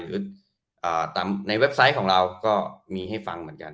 หรือตามในเว็บไซต์ของเราก็มีให้ฟังเหมือนกัน